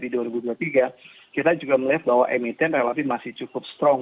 di dua ribu dua puluh tiga kita juga melihat bahwa emiten relatif masih cukup strong